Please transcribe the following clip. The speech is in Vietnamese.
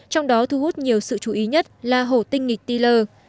trong đó thu hút nhiều sự chú ý nhất là hổ tinh nghịch tiller